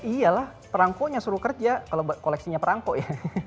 ya iyalah perangkonya suruh kerja kalau koleksinya perangko ya